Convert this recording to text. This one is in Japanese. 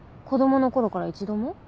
子供の頃から一度も？